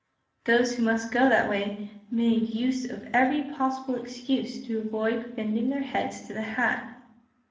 Those who must go that way made use of every possible excuse to avoid bending their heads to the hat.